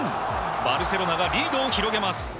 バルセロナがリードを広げます。